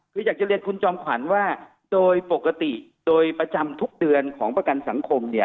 คืออยากจะเรียนคุณจอมขวัญว่าโดยปกติโดยประจำทุกเดือนของประกันสังคมเนี่ย